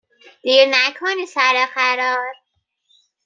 دیر نکنی سر قرار